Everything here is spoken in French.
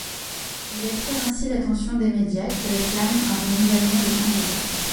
Il attire ainsi l'attention des médias qui réclament un renouvellement de son visa.